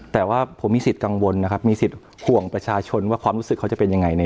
แต่ว่าผมมีสิทธิ์กังวลนะครับมีสิทธิ์ห่วงประชาชนว่าความรู้สึกเขาจะเป็นยังไง